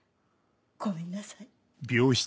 ごめんなさい。